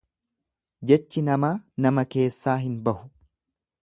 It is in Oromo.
Jechi namaa nama keessaa hin bahu.